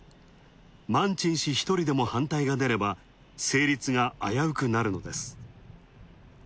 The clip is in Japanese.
マンチン氏１人でも反対が出れば成立が危うくなるのです。